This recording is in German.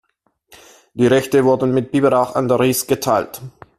Die Rechte wurden mit Biberach an der Riß geteilt.